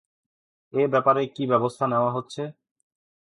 এ ব্যাপারে কি ব্যবস্থা নেওয়া হচ্ছে?